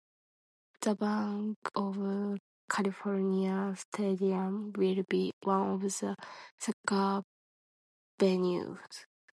The Banc of California Stadium will be one of the soccer venues.